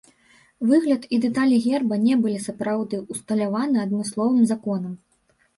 Выгляд і дэталі герба не былі сапраўды ўсталяваныя адмысловым законам.